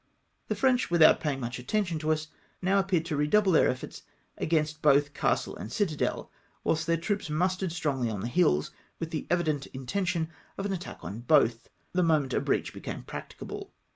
The French, without paying much attention to us, now appeared to redouble their efforts against both castle and citadel, whilst their troops mustered strongly on the hills, with the evident intention of an attack on both, the moment a breach became practicable.